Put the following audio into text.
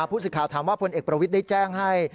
ผู้สื่อข่าวถามว่าพลเอกประวิทย์ได้แจ้งให้